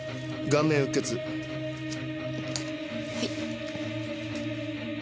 はい。